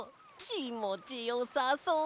きもちよさそう！